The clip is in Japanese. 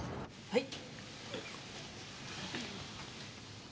はい。